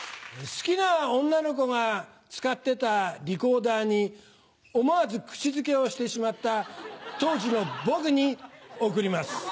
好きな女の子が使ってたリコーダーに思わず口づけをしてしまった当時の僕に贈ります。